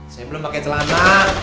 saya belum pakai celana